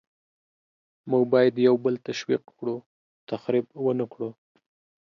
موږ باید یو بل تشویق کړو، تخریب ونکړو.